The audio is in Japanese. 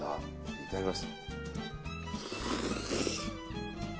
いただきます。